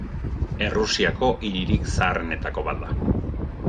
Errusiako hiririk zaharrenetako bat da.